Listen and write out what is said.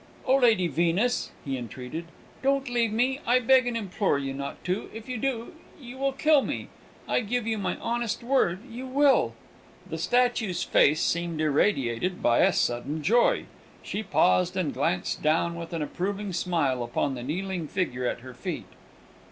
"Oh, Lady Venus," he entreated, "don't leave me! I beg and implore you not to! If you do, you will kill me! I give you my honest word you will!" The statue's face seemed irradiated by a sudden joy. She paused, and glanced down with an approving smile upon the kneeling figure at her feet.